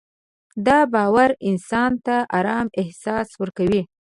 دا باور انسان ته ارام احساس ورکوي.